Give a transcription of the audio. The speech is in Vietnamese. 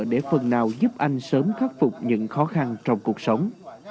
để giúp bà con ngư dân sớm khắc phục khó khăn trong cuộc sống